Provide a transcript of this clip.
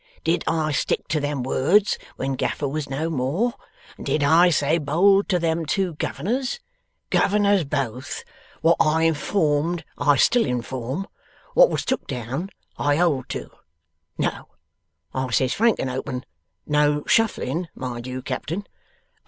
Did I stick to them words when Gaffer was no more, and did I say bold to them two Governors, "Governors both, wot I informed I still inform; wot was took down I hold to"? No. I says, frank and open no shuffling, mind you, Captain!